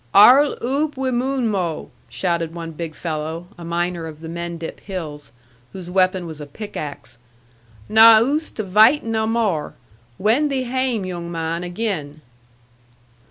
'Arl oop wi Moonmo',' shouted one big fellow, a miner of the Mendip hills, whose weapon was a pickaxe: 'na oose to vaight na moor. Wend thee hame, yoong mon agin.'